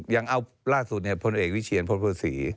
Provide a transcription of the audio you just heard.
อย่างเอาล่าสุดเนี่ยพลเอกวิเชียรพลภูมิสี